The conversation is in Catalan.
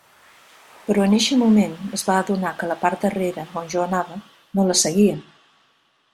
Però en eixe moment es va adonar que la part darrera, on jo anava, no la seguia.